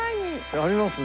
ありますね。